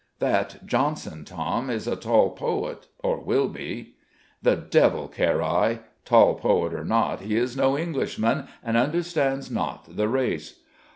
"That Jonson, Tom, is a tall poet, or will be." "The devil care I! Tall poet or not, he is no Englishman and understands not the race.